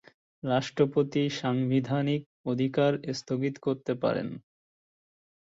রাষ্ট্রপতি সাংবিধানিক অধিকার স্থগিত করতে পারেন।